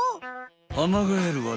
アマガエルはね